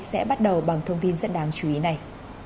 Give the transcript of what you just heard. sẽ bắt đầu bằng thông tin rất đáng chú ý này